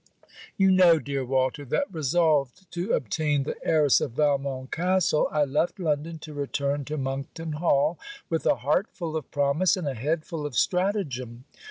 You know, dear Walter, that resolved to obtain the heiress of Valmont castle, I left London to return to Monkton Hall, with a heart full of promise, and a head full of stratagem.